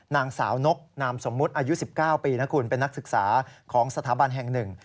นางสาวนกนามสมมุติอายุ๑๙ปีนะคุณเป็นนักศึกษาของสถาบันแห่งหนึ่ง